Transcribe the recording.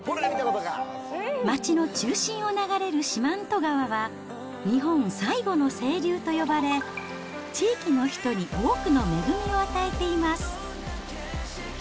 街の中心を流れる四万十川は、日本最後の清流と呼ばれ、地域の人に多くの恵みを与えています。